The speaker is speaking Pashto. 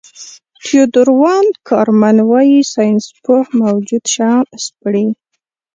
تیودور وان کارمن وايي ساینسپوه موجود شیان سپړي.